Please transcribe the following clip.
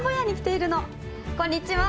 こんにちは。